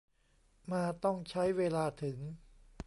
มาต้องใช้เวลาถึง